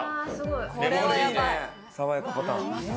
爽やかパターン。